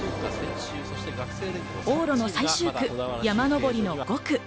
往路の最終区・山上りの５区。